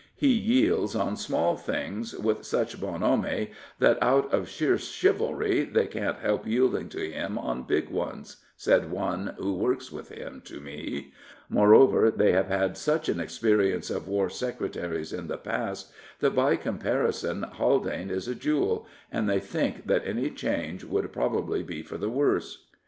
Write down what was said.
He yields on small things with 286 Richard Burdon Haldane such bonhomie that out of sheer chivalry they can't help yielding to him on big ones/' said one who works with him to me. " Moreover, they have had such an experience of War Secretaries in the past, that, by comparison, Haldane is a jewel, and they think that any change would probably be for the worse."